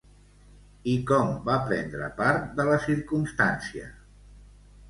I com va prendre part de la circumstància?